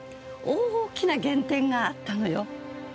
大きな減点があったのよ。